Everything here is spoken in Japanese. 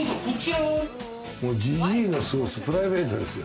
じじいの過ごすプライベートですよ。